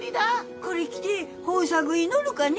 これ着て豊作祈るかね。